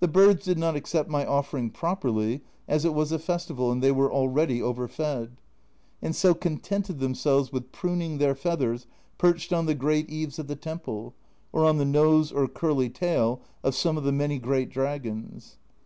The birds did not appreciate my offering properly, as it was a festival, and they were already overfed, and so con tented themselves with pruning their feathers perched on the great eaves of the temple, or on the nose or curly tail of some of the many great dragons.